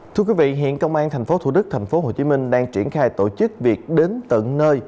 thưa quý vị hiện công an tp thủ đức tp hcm đang triển khai tổ chức việc đến tận nơi